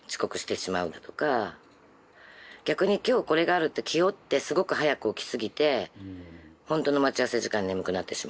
逆に今日これがあるって気負ってすごく早く起きすぎてほんとの待ち合わせ時間に眠くなってしまうだとか。